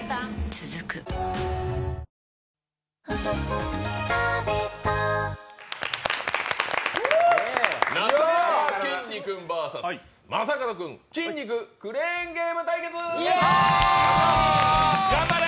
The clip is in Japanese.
続くなかやまきんに君ＶＳ正門君による筋肉クレーンゲーム対決！